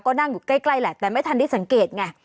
ก็นั่งอยู่ใกล้แหละแต่ไม่ทันได้สังเกตไง